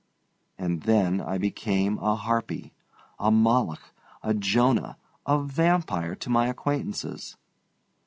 And then I became a harpy, a Moloch, a Jonah, a vampire, to my acquaintances.